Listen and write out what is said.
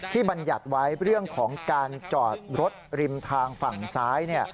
บรรยัติไว้เรื่องของการจอดรถริมทางฝั่งซ้าย